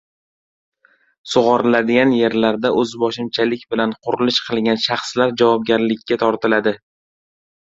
Sug‘oriladigan yerlarda o‘zboshimchalik bilan qurilish qilgan shaxslar javobgarlikka tortiladi